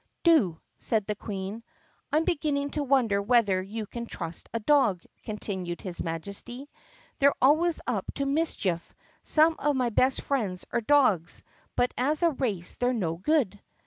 "Do!" said the Queen. "I 'm beginning to wonder whether you can trust a dog," continued his Majesty. "They 're always up to mischief. Some of my best friends are dogs but as a race they 're no good."